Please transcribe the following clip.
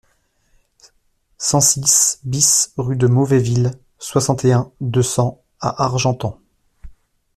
cent six BIS rue de Mauvaisville, soixante et un, deux cents à Argentan